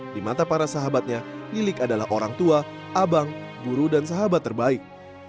di mata para sahabatnya lilik adalah orang tua abang guru dan sahabat terbaik